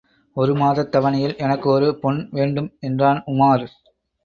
ஒருமாதத் தவணையில் எனக்கு ஒரு பொன் வேண்டும் என்றான் உமார்.